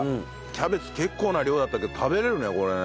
キャベツ結構な量だったけど食べれるねこれね。